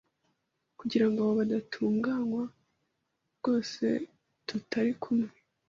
kugira ngo abo badatunganywa rwose tutari kumwe